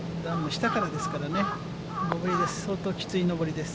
下からですからね、上りです、相当きつい上りです。